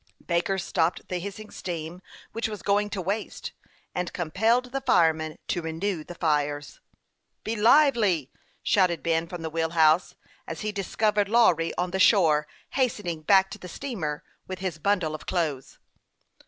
Baker stopped the .hissing steam which was going to waste, and compelled the fireman to renew the fires. " Be lively !" shouted Ben, from the wheel house, as he discovered Lawry on the shore, hastening back to the steamer with his bundle of clothes.